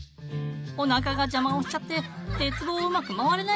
お腹が邪魔をしちゃって。